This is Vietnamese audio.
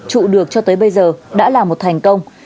trụ được cho tới bây giờ đã là một thành công